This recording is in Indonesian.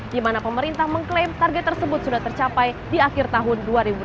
di mana pemerintah mengklaim target tersebut sudah tercapai di akhir tahun dua ribu delapan belas